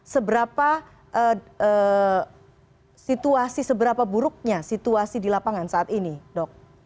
seberapa situasi seberapa buruknya situasi di lapangan saat ini dok